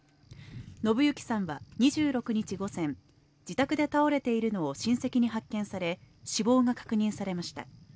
信行さんは２６日午前、自宅で倒れているのを親戚に発見され、死亡が確認されました。